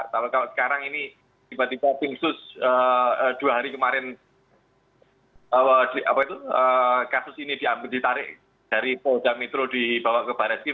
kalau sekarang ini tiba tiba tim sus dua hari kemarin kasus ini ditarik dari polda metro dibawa ke baris kri